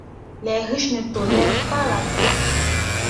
Les riches ne tolèrent pas la vérité.